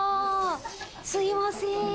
すいません。